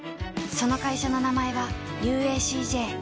その会社の名前は ＵＡＣＪ